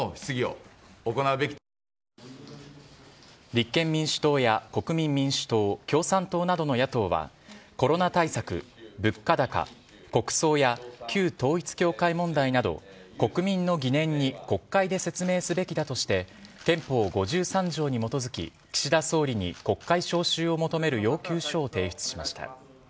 立憲民主党や国民民主党共産党などの野党はコロナ対策、物価高国葬や旧統一教会問題など国民の疑念に国会で説明すべきだとして憲法５３条に基づき、岸田総理に国会召集を求める要求書を提出しました。